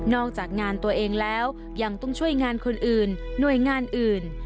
จากงานตัวเองแล้วยังต้องช่วยงานคนอื่นหน่วยงานอื่น